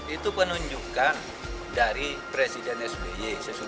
itu penunjukan dari presiden sby